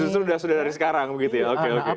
sudah sudah dari sekarang begitu ya oke oke